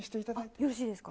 よろしいですか？